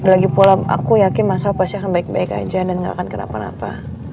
lagipula aku yakin mas al pasti akan baik baik aja dan nggak akan kenapa napa